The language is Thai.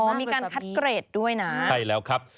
มีการคัดเกรดด้วยนะใช่แล้วครับ